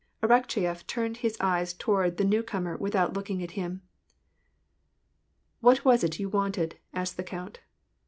Arakcheyef turned his eyes towai'd the new comer without looking at him. " What was it you wanted ?" asked the count.